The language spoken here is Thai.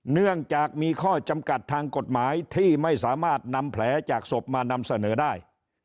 เนื่องจากมีข้อจำกัดทางกฎหมายที่ไม่สามารถนำแผลจากศพมานำเสนอได้